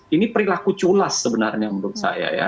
ini perilaku culas sebenarnya menurut saya ya